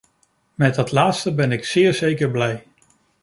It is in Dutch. Met dat laatste ben ik zeer zeker blij.